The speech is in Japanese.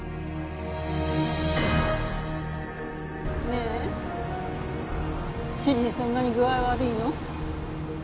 ねえ主人そんなに具合悪いの？